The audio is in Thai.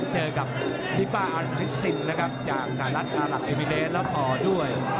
เจอกับลิปป้าอัลพิสซิงนะครับจากสหรัฐอัลหลักเอมิเลสแล้วอ่อด้วย